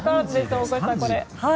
大越さん、これ。